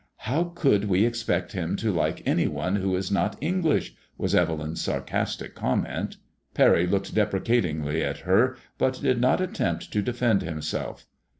'• How could we expect him to like any one who is not English ?" was Evelyn's sarcastic com ment. Parry looked deprecatingly at her, but did not attempt to defend himself.